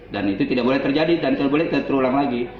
dan itu tidak boleh terjadi dan tidak boleh terulang lagi